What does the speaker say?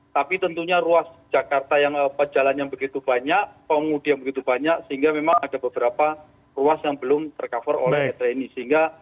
tapi tentunya ruas jakarta yang jalan yang begitu banyak pengundi yang begitu banyak sehingga memang ada beberapa ruas yang belum tercover oleh etre ini